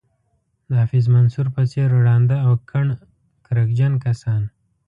د حفیظ منصور په څېر ړانده او کڼ کرکجن کسان.